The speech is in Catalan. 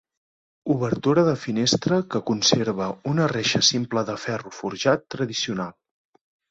Obertura de finestra que conserva una reixa simple de ferro forjat tradicional.